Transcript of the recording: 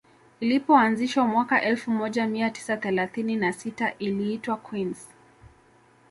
Ilipoanzishwa mwaka elfu moja mia tisa thelathini na sita iliitwa Queens